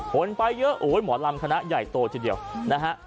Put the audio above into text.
คนไปเยอะโอ้ยหมอลำคณะใหญ่โตทีเดียวนะฮะ